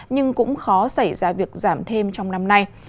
nhưng cũng khó xảy ra việc giảm thêm trong năm nay